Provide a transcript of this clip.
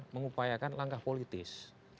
mengupayakan langkah politis